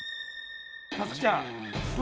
さつきちゃん。